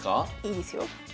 いいですよ。